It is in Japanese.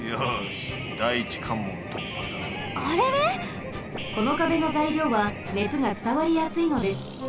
この壁の材料は熱がつたわりやすいのです。